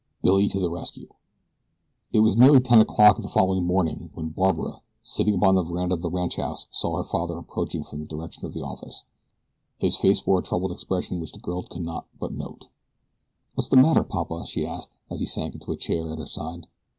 BILLY TO THE RESCUE IT WAS nearly ten o'clock the following morning when Barbara, sitting upon the veranda of the ranchhouse, saw her father approaching from the direction of the office. His face wore a troubled expression which the girl could not but note. "What's the matter, Papa?" she asked, as he sank into a chair at her side.